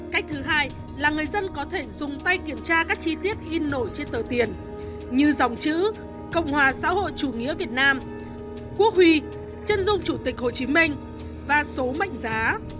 cách thứ hai là người dân có thể dùng tay kiểm tra các chi tiết in nổi trên tờ tiền như dòng chữ cộng hòa xã hội chủ nghĩa việt nam quốc huy chân dung chủ tịch hồ chí minh và số mệnh giá